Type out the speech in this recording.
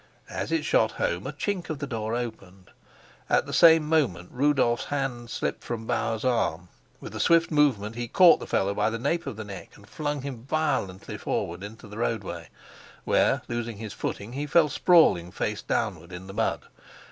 As it shot home a chink of the door opened. At the same moment Rudolf's hand slipped from Bauer's arm. With a swift movement he caught the fellow by the nape of the neck and flung him violently forward into the roadway, where, losing his footing, he fell sprawling face downwards in the mud.